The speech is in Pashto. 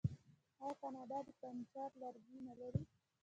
آیا کاناډا د فرنیچر لرګي نلري؟